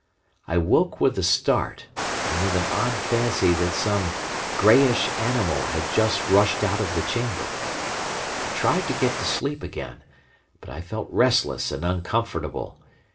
I woke with a start, and with an odd fancy that some greyish animal had just rushed out of the chamber. I tried to get to sleep again, but I felt restless and uncomfortable.